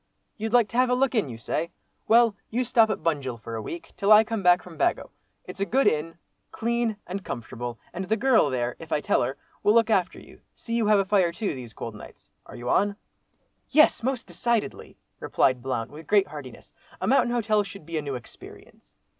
You'd like to have a look in, you say? Well, you stop at Bunjil for a week, till I come back from Bago; it's a good inn, clean and comfortable, and the girl there, if I tell her, will look after you; see you have a fire too, these cold nights. Are you on?" "Yes! most decidedly," replied Blount, with great heartiness. "A mountain hotel should be a new experience."